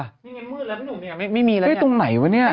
ไหนไม่มีล่ะตรงไหนวะนี่